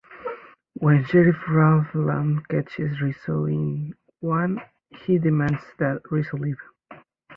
When Sheriff Ralph Lamb catches Rizzo in one, he demands that Rizzo leave.